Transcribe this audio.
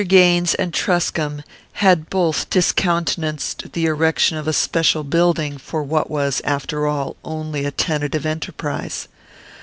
Gaines and Truscomb had both discountenanced the erection of a special building for what was, after all, only a tentative enterprise.